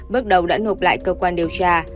bước đầu đã nộp lại cơ quan điều tra